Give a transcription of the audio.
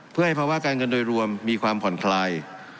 เพื่อให้ภาวะการเงินโดยรวมมีความผ่อนคลาย